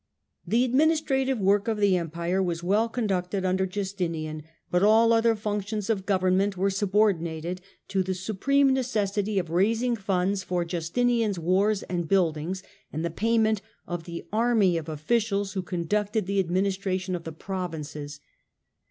The administrative work of the Empire was well conducted under Justinian, but all other functions of government were subordinated to the supreme necessity of raising funds for Justinian's wars and buildings and the payment of the army of officials who conducted the administration of the provinces.